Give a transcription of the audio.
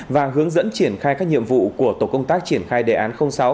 và hướng dẫn triển khai các nhiệm vụ của tổ công tác triển khai đề án sáu